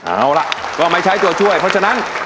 เอาล่ะก็ไม่ใช้ตัวช่วยเพราะฉะนั้น